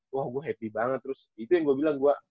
wah gua happy banget terus itu yang gua bilang gua